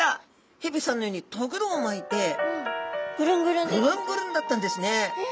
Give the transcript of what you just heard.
ヘビさんのようにとぐろを巻いてぐるんぐるんだったんですね。